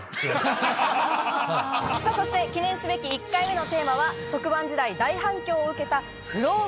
さぁそして記念すべき１回目のテーマは特番時代大反響を受けた。